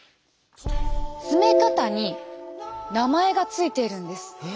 詰め方に名前が付いているんです。